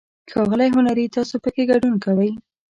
ښاغلی هنري، تاسو پکې ګډون کوئ؟